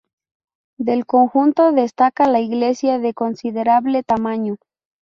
Del conjunto destaca la iglesia de considerable tamaño.